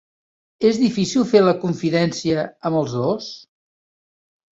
És difícil fer la confidència amb els dos.